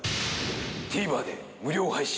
ＴＶｅｒで無料配信。